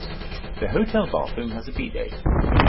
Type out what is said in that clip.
The hotel bathroom has a bidet.